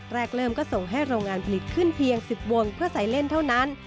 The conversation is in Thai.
แรกเริ่มก็ส่งให้โรงงานผลิตขึ้นเพียง๑๐วงเพื่อใส่เล่นเท่านั้น